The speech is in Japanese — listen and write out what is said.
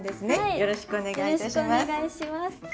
よろしくお願いします。